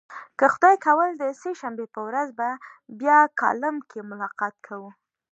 که خدای کول د سه شنبې په ورځ به بیا کالم کې ملاقات کوو.